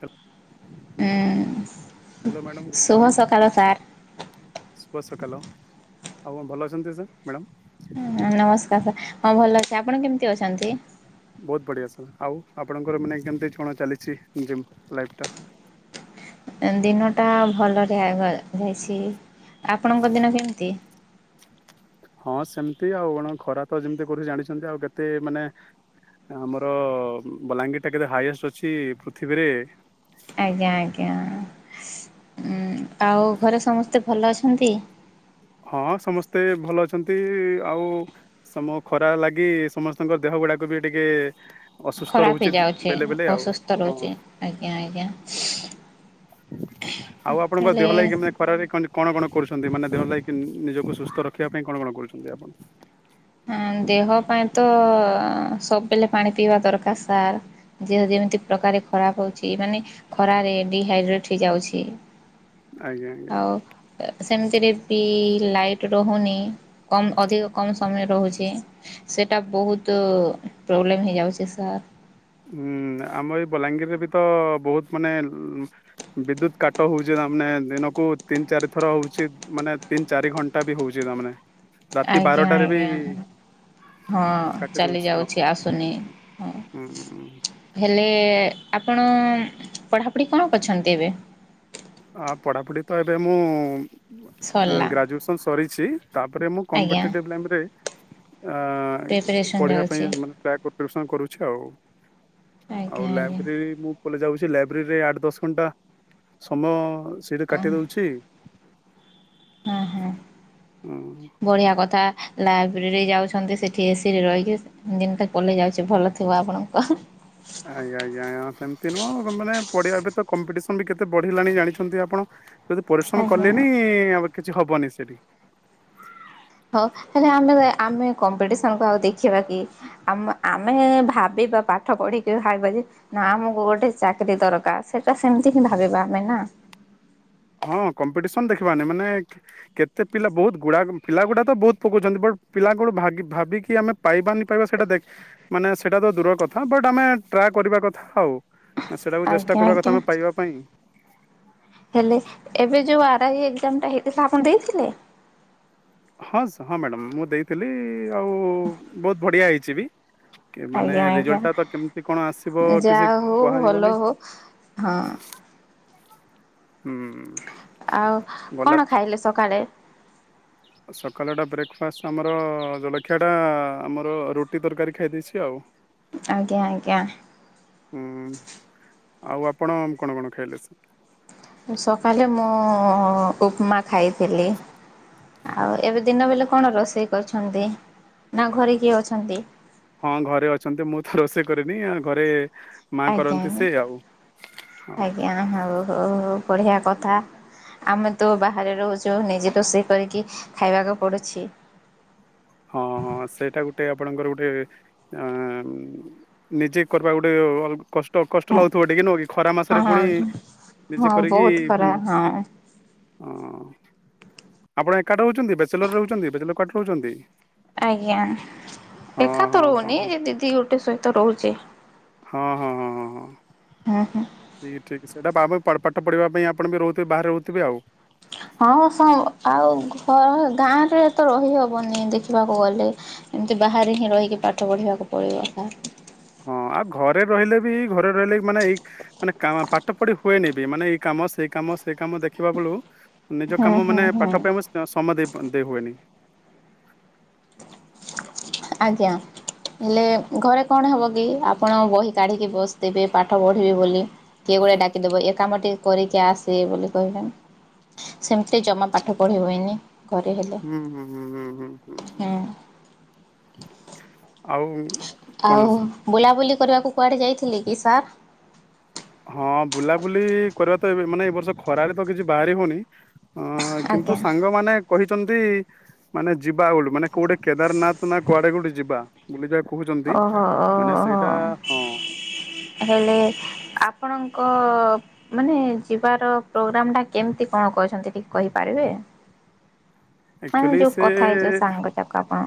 ହ ହୁଁ hello madam good ଶୁଭ ମର୍ଣ୍ଣିଂ ସକାଳ ସାର୍। ସକାଲୋ ଆଉଣ ଭଲ ଅଛନ୍ତି ସାର୍ ମ୍ୟାଡ଼ାମ୍। ନମସ୍କାର ସାର୍ ହଁ ଭଲ ଅଛି ଆପଣ କେମିତି ଅଛନ୍ତି? ବହୁତ ବଢ଼ିଆ ସାର୍ ଆଉ ଆପଣଙ୍କର ମାନେ କେମିତି କଣ ଚାଲିଛି ଜିମ୍ ଲାଇଫ୍ ଟା। ଦିନ ଟା ଭଲରେ ଆ ବା ଯାଇଛି ଆପଣଙ୍କ ଦିନ କେମିତି? ହଁ ସେମତି ଆଉ କଣ ଖରା ତ ଯେମିତି କରୁଛି ଜାଣିଛନ୍ତି ଆଉ କେତେ ମାନେ ଆମର ବଲାଙ୍ଗୀର ଟା କେତେ ହାଇଏଷ୍ଟ ଅଛି ପୃଥିବୀରେ। ଆଜ୍ଞା ଆଜ୍ଞା ଉ ଆଉ ଘରେ ସମସ୍ତେ ଭଲ ଅଛନ୍ତି? ହଁ ସମସ୍ତେ ଭଲ ଅଛନ୍ତି ଆଉ ସମ ଖରା ଲାଗି ସମସ୍ତଙ୍କ ଦେହ ଗୁଡାକ ବି ଟିକେ- ଅସୁସ୍ଥ ଖରାପ ରହୁଛି ହେଇଯାଉଛେ ବେଲେ ବେଲେ ଆଉ ଅସୁସ୍ଥ ହଁ ରହୁଛେ ଆଜ୍ଞା ଆଜ୍ଞା। ଆଉ ଆପଣଙ୍କ ହେଲେ ଦେହ ଲାଗି କେମ ଖରାରେ କଣ କଣ କରୁଛନ୍ତି ମାନେ ଦେହ ଲାଗି- କି ନିଜକୁ ସୁସ୍ଥ ରଖିବା ପାଇଁ କଣ କଣ କରୁଛନ୍ତି ଆପଣ- ଅ ଦେହ ପାଇଁ ତ ସବୁବେଳେ ପାଣି ପିଇବା ଦରକାର ସାର୍ ଦେହ ଯେମିତି ପ୍ରକାର ଖରାପ ହଉଛି ମାନେ ଖରାରେ ଡିହାଇଡ୍ରେଟ ହେଇଯାଉଛି। ଆଜ୍ଞା ଆଜ୍ଞା। ଆଉ ସେମିତିରେ ବି ଲାଇଟ୍ ରହୁନି କମ୍ ଅଧିକ କମ- ସମୟ ରହୁଛି ସେଇଟା ବହୁତ ପ୍ରୋବ୍ଲେମ ହେଇଯାଉଛି ସାର୍। ହୁଁ ଆମ ଏଇ ବଲାଙ୍ଗୀରରେ ବି ତ ବହୁତ ମାନେ ବିଦ୍ୟୁତ କାଟ ହଉଛି ତ ମାନେ ଦିନକୁ ତିନି ଚାରି ଥର ହଉଛି ମାନେ ତିନି ଚାରି ଘଣ୍ଟା ବି ହଉଛି ତା ମାନେ- ଆଜ୍ଞା ଆଜ୍ଞା ହଁ କାଟି ଚାଲି ଦଉଛି ହଁ ଯାଉଛି ଆସୁନି ହଁ। ହୁଁ ହେଲେ ଆପଣ ପଢ଼ାପଢ଼ି କଣ କରିଛନ୍ତି ଏବେ- ହଁ ପଢ଼ାପଢ଼ି ତ ଏବେ ମୁଁ ସରିଲା ଗ୍ରାଜୁଏସନ୍ ସରିଛି। ତାପରେ ମୁଁ ଆଜ୍ଞା କମ୍ପଟିଲାଇରେ ଅ ପ୍ରିପାରେସନ୍ ପଢିବା ଚାଲିଛି ପାଇଁ ମାନେ ଟ୍ରାକ୍ କରି କରୁଛ ଆଉ ଆଜ୍ଞା ଆଉ ଆଜ୍ଞା। ଲାଇବ୍ରେରୀ ମୁଁ ପଳେଇ ଯାଉଛି ଲାଇବ୍ରେରୀରେ ଆଠ ଦଶ ଘଣ୍ଟା ଆ ସିଟ ଓ କାଟି ଦେଉଛି ହଁ ହ ବଢିଆ କଥା ଲାଇବ୍ରେରୀରେ ଯାଉଛନ୍ତି ସେଠି ଏସିି ରହିକି ଦିନଟା ପଲେଇ ଯାଉଛି ଭଲ ଥିବ ଆପଣଙ୍କ ଆଜ୍ଞା ଆଜ୍ଞା ଆଜ୍ଞା ସେମିତି ନୁହଁ ମାନେ ପଢିବା ଏବେ ତ କମ୍ପିଟିସନ ବି କେତେ ବଢିଲାଣି ଜାଣିଛନ୍ତି ଆପଣ ଯଦି ପରିଶ୍ରମ ଆଜ୍ଞା। କଲେନି ଆ କିଛି ହବନି। ସେଠି ହଉ ହେଲେ ଆମେ ଆମେ କମ୍ପିଟିସନ କ ଆଉ ଦେଖିବା କି ଆ ଆମେ ଭାବିବା ପାଠ ପଢିକି ଭାବିବା ଯେ ନା ଆମକୁ ଗୋଟେ ଚାକିରୀ ଦରକାର ସେଟା ସେମିତି ହିଁ ଭାବିବା ଆମେ ନା ହଁ କମ୍ପିଟିସନ ଦେଖିବାନି ମାନେ କେତେ ପିଲା ବହୁତ ଗୁଡା ପିଲ ଗୁଡା ତ ବହୁତ ପକଉଛନ୍ତି ବଟ୍ ପିଲା କ ଭି ଭାବିକି ଆମେ ପାଇବାନି ପାଇବା ସେଇଟା ଦେଖ ମାନେ ସେଇଟା ତ ଦୂର କଥା ବଟ୍ ଆମେ ଟ୍ରାଏ କରିବା କଥା ଆଉ ସେଇଟାକୁ ଚେଷ୍ଟା ଆଜ୍ଞା କରିବା ଆଜ୍ଞା କଥା ଆମେ ପାଇବା ପାଇଁ ଏବେ ଯୋଉ ଆରାଇ ଏକ୍ଜାମ୍ ହେଇଥିଲା ଆପଣ ଦେଇଥିଲେ। ହଁ ହଁ ମ୍ୟାଡ଼ାମ ମୁଁ ଦେଇଥିଲି ଆଉ ବହୁତ ବଢିଆ ହେଇଛି ବି ମାନେ ଆଜ୍ଞା ରେଜଲ୍ଟ ଟା ତ କେମିତି କଣ ଆସିବ ଆଜ୍ଞା କିଛି ଯାହା ହଉ ଭଲ କୁହାଯିବନି ହଉ ହଁ ହୁଁ। ଆଉ ଗଲା କଣ ଖାଇଲେ ସକାଳେ? ସକାଳଟା ବ୍ରେକଫାଷ୍ଟ ଆମର ଜଳଖିଆ ଟା ଆମର ରୁଟି ତରକାରୀ ଖାଇ ଦେଇେଇଛି ଆଉ ଆଜ୍ଞା ଆଜ୍ଞା। ହୁଁ ଆଉ ଆପଣ କଣ କଣ ଖାଇଲେ ସ? ସକାଳେ ମୁଁ ଉପମା ଖାଇଥିଲି। ଆଉ ଏବେ ଦିନ ବେଳେ କଣ ରୋଷେଇ କରଛନ୍ତି ନା ଘରେ କିଏ ଅଛନ୍ତି? ହଁ ଘରେ ଅଛନ୍ତି ମୁଁ ତ ରୋଷେଇ କରେନି ଆ ଘରେ ମା ଆଜ୍ଞା କରନ୍ତି ସେ ଆଉ ହଁ ଆଜ୍ଞା ଆଜ୍ଞା ହଉ ହଉ ହଉ। ବଢିଆ କଥା ଆମେ ତ ବାହାରେ ରହୁଛୁ ନିଜେ ରୋଷେଇ କରିକି ଖାଇବାକୁ ପଡୁଛି। ହଁ ହଁ ସେଇଟା ଗୋଟେ ଆପଣଙ୍କର ଗୋଟେ ଅ ନିଜେ କରିବା ଗୋଟେ ଅ କଷ୍ଟ କଷ୍ଟ ଲାଗୁଥିବ ହଁ ଟିକେ ନ କି ଖରା ମାସରେ ପୁଣି ହଁ ନିଜେ କରିକି ବହୁତ ଖରା ହଁ ହ ଆପଣ ଏକା ରହୁଛନ୍ତି ବ୍ୟାଚଲର ରହୁଛନ୍ତି ବିଲର କଡ ରହୁଛନ୍ତି ଆଜ୍ଞା ହଁ ଦେଖା ତ ହଁ ହଁ ହଉନି ହଁ ଯେ ଦିଦି ଗୋଟେ ସହିତ ରହୁଛି। ହଁ ହଁ ହଁ ହଁ ହଁ। ହଁ ହଁ। ଠିକ ଠିକ ସେଇଟା ଆ ପାଠ ପଢିବା ପାଇଁ ଆପଣ ବି ରହୁଥିବେ ବାହାରେ ରହୁଥିବେ ଆଉ ହଁ ଆଉ ଘ ଗାଁରେ ତ ରହିହବନି ଦେଖିବାକୁ ଗଲେ ଏମିତି ବାହାରେ ହିଁ ରହିକି ପାଠ ପଢିବାକୁ ପଡିବ। ହଁ ଆଉ ଘରେ ରହିଲେ ବି ଘରେ ରହିଲେ ମାନେ ଏଇ ମାନେ ପାଠ ପଢି ହୁଏନି ବି ମାନେ ଏଇ କାମ ସେଇ କାମ ସେ କାମ ଦେଖିବା ବେଳୁ ନିଜ ହୁଁ କାମ ହୁଁ ମାନେ ହୁଁ। ପାଠ ପାଇଁ ସ ସମୟ ଦେଇ ଦେଇ ହୁଏନି। ଆଜ୍ଞା ହେଲେ ଘରେ କଣ ହବ କି ଆପଣ ବହି କାଢିକି ବସିଥିବେ ପାଠ ପଢିବେ ବୋଲି କିଏ ଗୁଡେ ଡାକିଦବ ଏ କାମ ଟେ କରିକି ଆସିବେ ବୋଲି କହିବେ ସେମିତି ଜମା ପାଠ ପଢିବ ହୁଏନି। ଘରେ ହେଲେ ହୁଁ ହୁଁ ହୁଁ ହୁଁ ହୁଁ ହୁଁ। ଆଉ। କଣ ଆଉ ଅଛି? ବୁଲାବୁଲି କରିବାକୁ କୁ କୁଆଡ଼େ ଯାଇଥିଲି କି ସାର୍? ହଁ ବୁଲାବୁଲି କରିବା ତ ଏବେ ମାନେ ଏ ବର୍ଷ ଖରାରେ ତ କିଛି ବାହାରି ହଉନି। ହଁ କିନ୍ତୁ ଆଜ୍ଞା। ସାଙ୍ଗମାନେେ କହି ଛନ୍ତି ମାନେ ଯିବା ବେଳୁ ମାନେ କୋଉଟେ କେଦାରନାଥ ନା କୁଆଡେ କୋଟେ ଯିବା ଯି ବୋଲି ଯା ଓହୋ ଓୋ ହୋ ହଁ ହେଲେ ଆପ ଆପଣଙ୍କ ମାନେ ଯିବାର ପ୍ରୋଗ୍ରମ୍ ଟା କେମିତି କଣ କହିଛନ୍ତି ଟିକେ କହିପାରିବେ ମାନେ ଆକ୍ଚୁଆଲି ଯୋଉ ସେ କଥା ହେଇଛ ସାଙ୍ଗଟାକ ଆପଣ?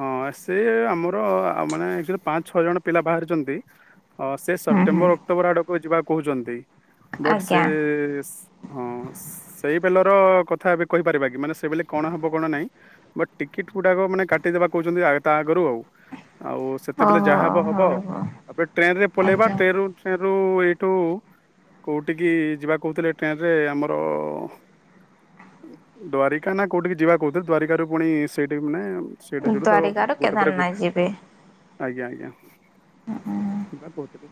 ହଁ ସେ ଆମର ଆ ମାନେ ଆଚ୍ୟୁଲି ପାଞ୍ଚ ଛଅ ଜଣ ପିଲା ବାହାରିଛନ୍ତି। ହଁ ହୁଁ ହୁଁ ସେପ୍ଟମ୍ବର ଅକ୍ଟୋବର ଆଡକୁ ଯିବାକୁ କହୁଛନ୍ତି କୁ ବଟ ସେ ଆଜ୍ଞା। ହଁ ସେଇ ପିଲାର କଥା ଏବେ କହିପାରିବା କି ମାନେ ସେ ବୋଲେ କଣ ନାଇ ବଟ ଟିକେଟ ଗୁଡାକ କାଟି କାଟିଦେବା କହୁଛନ୍ତି ତା ଆଗରୁ। ଆଉ ସେତେବେଳେ ଓହୋ ଯାହା ହବ ହବ ହଉ ହଉ ଆ ଏବେ ଟ୍ରେନରେ ପଳେଇବା ଆଜ୍ଞା। ଟେନ ଟ୍ରେନ୍ ରୁ ଓ ଏଇଠୁ କୋଉଠିକି ଯିବା କହୁଥିଲେ ଟ୍ରେନ ରେ ଆମର ଦ୍ଵାରିକା ନା କୋଉଠିକି ଯିବା କହୁଥିଲେ ଦ୍ଵାରିକା ରୁ ପୁଣି ସେଇଠି ମାନେ ସେଇଠୁ ସେଇଠୁ ତା ଦ୍ଵାରିକା ର ଗୋଟେ ପରେ କେଦାର ଗୋଟେ ନାଇ ଯିବେ। ଆଜ୍ଞା ଆଜ୍ଞା। [unintelligible]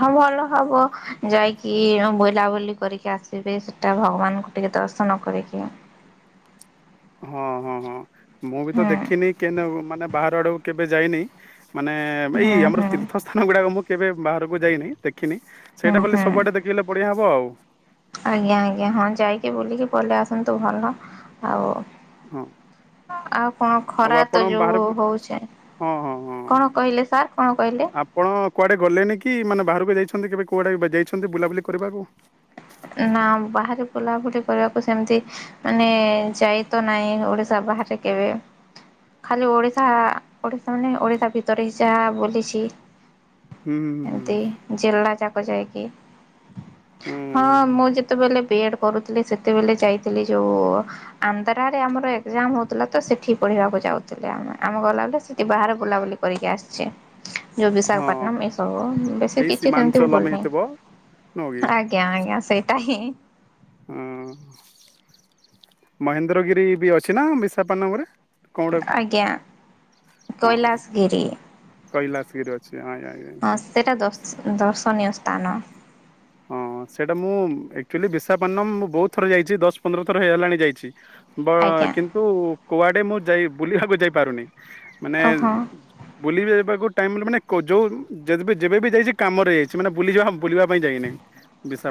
ହଁ ଭଲ ହବ ଯାଇକି ବୁଲାବୁଲି କରିକି ଆସିବେ ସେଟା ଭଗବାନଙ୍କୁ ଟିକେ ଦର୍ଶନ କରିକି। ହଁ ହଁ ହଁ। ମୁଁ ବି ତ ହୁଁ ଦେଖିନି କେ ମାନେ ବାହାରେ ଆଡକୁ କେବେ ଯାଇନି ମାନେ ଏଇ ହୁଁ ଆମର ହୁଁ ତୀର୍ଥସ୍ଥାନ ଗୁଡ଼ାକ ମତ କେବେ ବାହାରକୁ ଯାଇନେଇ ତେ ଖିନି ହୁଁ ସେଇଟା କଲେ ହୁଁ। ସବୁଆଡ଼େ ଦେଖେଇଲେ ବଢ଼ିଆ ହବ ଆଉ। [inaudible] ଆଜ୍ଞା ଆଜ୍ଞା ହଁ ଯାଇକି ବୁଲିକି ପଲେଇ ଆସନ୍ତୁ ଭଲ ଆଉ ହଁ। ଆଉ କଣ ଆଉ ଖରା ତ ଆପଣ ଯୋଉ ବାହାରକୁ ହଉଛି ହଁ ହଁ ହଁ କଣ କହିଲେ ସାର୍ କଣ କହିଲେ? ଆପଣ କୁଆଡ଼େ ଗଲେନି କି ମାନେ ବାହାରକୁ ଯାଇଛନ୍ତି କେବେ କୁଆଡ଼େ ଯାଇଛନ୍ତି ବୁଲାବୁଲି କରିବାକୁ? ନାଁ ବାହାରେ ବୁଲାବୁଲି କରିବାକୁ ସେମତି ମାନେ ଯାଇ ତ ନାହିଁ ଓଡିଶା ବାହାରେ କେବେ ଖାଲି ଓଡ଼ିଶା ଓଶା ମାନେ ଓଡ଼ିଶା ଭିତରେ ହି ଯାହା ବୁଲିଚି। ହୁଁ ହୁଁ ଏମତି ଜେଲା ଯା କୁଆ ଯାଏ କି ହୁଁ। ହଁ ହୁଁ ମୁଁ ଯେତୋବେଲେ ବି ଏଡ଼ କରୁଥିଲେ ସେତେବେଲେ ଯାଇଥିଲି ଯୋଉ ଆନ୍ଧ୍ରାରେ ଆମର ଏକ୍ଜାମ ହୋଉଥୁଲା ତ ସେଠି ପଢ଼ିବାକୁ ଯାଉଥୁଲେ ଆ ଆମେ ଗଲାବେଳେ ସେଠି ବାହାରେ ବୁଲାବୁଲି କରିକି ଆସଚି। ଯୋଉ ହଁ ବିଶାଖାପାଟନମ୍ ଏଇ ସବୁ ବେଶୀ ଏଇ କିଛି ସେମତି ଉ ସୀମାଞ୍ଚଲମ ବୁଲନେଇ ହେଇଥିବ ନୁହଁ କି ଆ ଆଜ୍ଞା ସେଇଟା ହିଁ। ହଁ ମହେନ୍ଦ୍ରଗିରି ବି ଅଛି ନାଁ ବିଶାପାଟନମରେ? ଆଜ୍ଞା ହଁ କୈଳାସଗିରି କୈଳାସଗିରି ଅଛି ଆଜ୍ଞା ଆଜ୍ଞା ହଁ ସେଟା ଦ ଦର୍ଶନୀୟ ତାନ ହଁ ସେଇଟା ମୁଁ ଏକ୍ଚୁଲି ବିଶାପାଟନମ ମୁଁ ବୋହୁତ ଥର ଯାଇଚି। ଦଶ ପନ୍ଦର ଥର ହେଇଗଲାଣି ଯାଇଚି। ବ ଆଜ୍ଞା କିନ୍ତୁ କୁଆଡ଼େ ମୁଁ ଯାଇ ବୁଲିବାକୁ ଯାଇପାରୁନି। ମାନେ ଓହୋ। ବୁଲିବି ବାକୁ ଟାଇମ୍ ରେ ମାନେ କ ଯୋଉ ଯଦି ବି ଯେବେ ବି ଯାଇଛଳଚି କାମରେ ଯାଇଚି ମାନେ ବୁଲିଯିବା ବୁଲିବା ପାଇଁ ଯାଇନାହିଁ।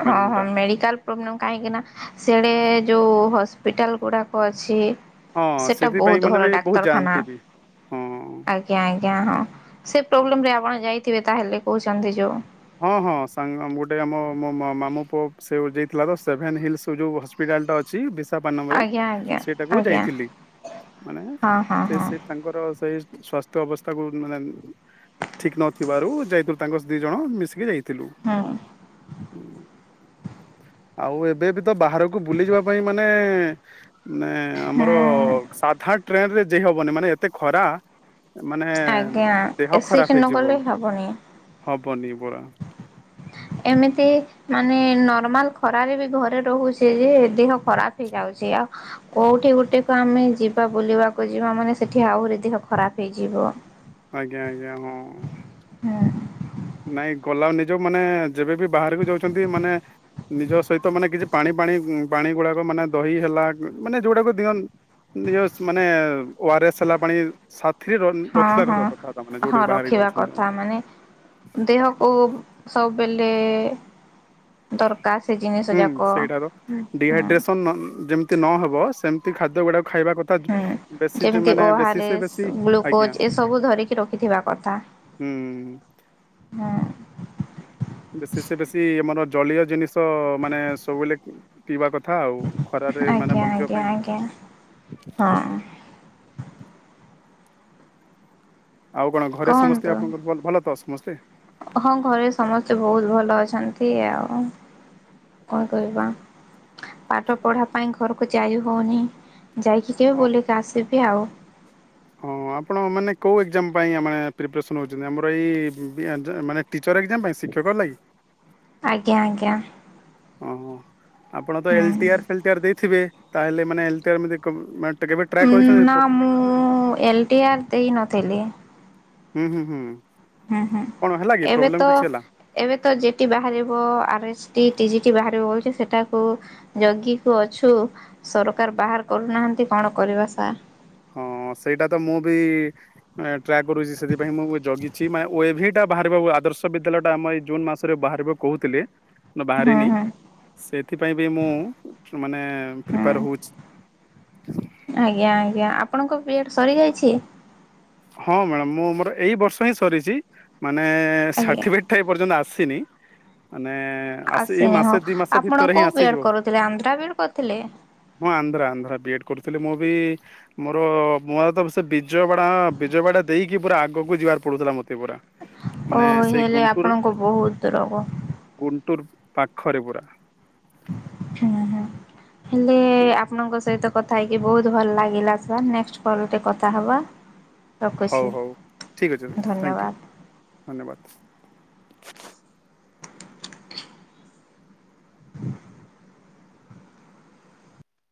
ହଁ ହଁ ମେଡିକାଲ ପ୍ରୋବଲେମ କାହିଁକି ନାଁ ସିଆଡେ ଯୋଉ ହସ୍ ହସ୍ପିଟାଲଗୁଡ଼ାକ ଅଛି ହଁ ସେଟା ସେଥିପାଇଁ ବୋହୁତ ମାନେ ବି ଭଲ ବହୁତ ଡାକ୍ତରଖାନା ଯାଆନ୍ତି ବି। ହଁ। ଆଜ୍ଞା ଆଜ୍ଞା ହଁ। ସେ ପ୍ରୋବ୍ଲେମରେ ଆପଣ ଯାଇଥିବେ ତାହେଲେ କୋହୁଛନ୍ତି ଯୋଉ। ହଁ ହଁ ସାଙ୍ଗ ଆମ ଗୋଟେ ଆମ ମୋ ମାମୁ ପୁଅ ସେ ଓ ଯାଇଥିଲା ତ ସେଭେନ ହିଲସର ଯୋଉ ହସ୍ପିଟାଲଟା ଅଛି ବିସ୍ ତାବାନମରେ ଆଜ୍ଞା ଆଜ୍ଞା ସେଇଟାକୁ ଆଜ୍ଞା। ଯାଇଥିଲି ମାନେ ହଁ ହଁ ସେ ହଁ ସେ ତାଙ୍କର ସେଇ ସ୍ଵାସ୍ଥ୍ୟ ଅବସ୍ଥାକୁ ମାନେ ଠିକ ନଥିବାରୁ ଯାଇଥିଲ ତାଙ୍କ ଦି ଜଣ ମିଶ୍ ସିଏ ଯାଇ ଥିଲୁ ହୁଁ ଉଁ ଆଉ ଏବେ ବି ତ ବାହାରକୁ ବୁଲି ଯିବା ପାଇଁ ମାନେ ନେ ହୁଁ ଆମର ସାଧା ଟ୍ରେନ ରେ ଯାଇ ହବନି ମାନେ ଏତେ ଖରା ମାନେ ଆଜ୍ଞା ଦେହ ଖରାପ ଏସିଡ୍ ହେଇଯିବ ନଗଲେ ହବନି। ହଁ ପନିପରା [unintelligible] ଏମିତି ମାନେ ନର୍ମାଲ ଖରାରେ ବି ଘରେ ରହୁଛେ ଯେ ଦେହ ଖରାପ ହେଇଯାଉଛି ଆଉ କୋଉଠି ଗୋଟେକୁ ଆମେ ଯିବା ବୁଲିବାକୁ ଯିବା ମାନେ ସେଠି ଆହୁରି ଦେହ ଖରାପ ହେଇଯିବ ଆଜ୍ଞା ଆଜ୍ଞା ହଁ ହଁ ନାଇଁ ଗଲା ନିଜ ମାନେ ଯେବେବି ବାହାରକୁ ଯାଉଛନ୍ତି ମାନେ ନିଜ ସହିତ ମାନେ କିଛି ପାଣି ପାଣି ପାଣି ଗୁଡାକ ମାନେ ଦହି ହେଲା ମାନେ ଯୋଉଗୁଡାକ ଦିଅ ନିଜ ମାନେ ଓ ଆରଏସ୍ ହେଲା ପାଣି ସାଥ ଥିରେ ହଁ ରଖିବା ହଁ କଥା କଥା ତା ମାନେ ହଁ ଯୋଉଠି ବାହାରି ରଖିବା କଥା ମାନେ ଯାଉଛନ୍ତି ଦେହକୁ ସବୁବେଳେ ଦରକାର ସେ ଜିନିଷ ହୁଁ ଯାକ ସେଇଟାର ହୁଁ ଡିହାଇଡ୍ରେସନ ନଅ ଯେମିତି ନହବ ସେମ ଖାଦ୍ୟ ଗୁଡାକ ହୁଁ ଯେମିତି ବେଶୀ ସେ ବେଶୀ ଓଆରେଶ ଆଜ୍ଞା ଗ୍ଲୁକୋଜ ଏସବୁ ଧରିକି ରଖିଥିବା କଥା ହୁଁ ହୁଁ ବେଶୀ ସେ ବେଶୀ ଆମର ଜଳୀୟ ଜିନିଷ ମାନେ ସବୁବେଳେ ପିଇବା କ ଥା ଆଉ ଖରାରେ ମାନେ ଆଜ୍ଞା ବଞ୍ଚିବା ଆଜ୍ଞା ଆଜ୍ଞା ହଁ ପାଇଁ ଆଉ କଣ ଘରେ ସମସ୍ତେ କୁହନ୍ତୁ ଆପଣଙ୍କର ଭଲ ଭଲ ତ ସମସ୍ତେ? ହଁ ଘରେ ସମସ୍ତେ ବହୁତ ଭଲ ଅଛନ୍ତି ଆଉ। ହଁ କହିବା ପାଠ ପଢା ପାଇଁ ଘରକୁ ଯାଇ ହଉନି। ଯାଇ କି ଯେ ହଁ ହଁ। ବୁଲିକି ଆସିଲି ଆଉ। ହଁ ଆପଣ ମାନେ କଉ ଏକ୍ଜାମ ପାଇଁ ଆମେ ପ୍ରୀପେରେସନ ହେଉଛନ୍ତି ଆମର ଏଇ ମାନେ ଟିଚର ଏକ୍ଜାମ ପାଇଁ ଶିକ୍ଷକ ର ଲାଗି। ଆଜ୍ଞା ଆଜ୍ଞା ହଁ ଆପଣ ତ ହୁଁ। ଏଲଟିଆର ଫେଲ୍ଟିଆର ଦେଇଥିବେ। ତାହେଲେ ମାନେ ଏଲଟିଆର [unintelligible] ନା ମୁଁ ଏଲଟି ଆର ଦେଇ ନଥିଲି। ହୁଁ ହୁଁ ହୁଁ। ହୁଁ ହୁଁ କଣ ହେଲା କି ଏବେ ପ୍ରୋବ୍ଲେମ ତ କିଛି ହେଲା ଏବେ ତ ଯେଠି ବାହାରିବ ଆରେ ଟି ଟି ଜିଟି ଓ ବାହାରିବଛି ସେଟାକୁ ଜଗିକୁ ଅଛୁ ସରକାର ବାହାର କରୁନାହାନ୍ତି କଣ କରିବା ସାର୍। ହଁ ସେଇଟା ତ ମୁଁ ବି ଟ୍ରାକ୍ କରୁଛି ସେଥିପାଇଁ ମୁଁ ଜଗି। ଛିି ଓ ଏ ଭି ବାହାରିବ ଆଦର୍ଶ ବିଦ୍ୟାଳୟଟା ଆମ ଏଇ ଜୁନ୍ ମାସରେ ବାହାରିବ କହୁଥିଲେ। ହୁଁ ବାହାରିନି ହୁଁ ସେଥିପାଇଁ ବି ମୁଁ ମାନେ ହୁଁ। ପ୍ରିପେର ହଉଛି। ଆଜ୍ଞା ଆଜ୍ଞା ଆପଣଙ୍କ ବିଏଡ ସରିଯାଇଛି। ହଁ ମ୍ୟାଡାମ ମୁଁ ମୋର ଏଇ ବର୍ଷ ହିଁ ସରିଛି। ମାନେ ଆଜ୍ଞା। ସାର୍ଟିଫିକେଟ୍ ଏପର୍ଯ୍ୟନ୍ତ ଆସ ସିନି ମାନେ ଆସେ ଏଇ ଆସିନି ମାସେ ହଁ ଦି ମାସ ଆପଣ ଭିତରେ ହିଁ କୋଉ ବି ଏଡ୍ ଆସିଯିବ କରୁଥିଲେ ଆନ୍ଧ୍ରା ବି ଏଡ୍ କରିଥିଲେ? ହଁ ଆନ୍ଧ୍ର ଆନ୍ଧ୍ର ବିଏଡ କରୁଥିଲି ମୁଁ ବି ମୋର ମୁୂଆ ତ ସେ ବିଜୟ ବାଡା ବିଜୟବାଡ଼ା ଦେଇକି ପୁରା ଆଗକୁ ଯିବାର ପଡୁଥିଲା ମତେ ପୁରା ଓ ମାନେ ସେଇ ହେଲେ ଗୁଣ୍ଟୁର ଆପଣଙ୍କୁ ବହୁତ ଦୂରବ ପାଖରି ପୁରା ହୁଁ ହଁ ହେଲେ ହୁଁ, ଆପଣଙ୍କ ସହିତ କଥା ହେଇ ବହୁତ ଭଲ ଲାଗିଲା ସାର୍ ନେକ୍ସଟ କଲ ଟେ କଥା ହବା ହଉ ହଉ ଠିକ୍ ଅଛି ଥ୍ୟାଙ୍କ ଧନ୍ୟବାଦ। ୟୁ ଧନ୍ୟବାଦ [inaudible]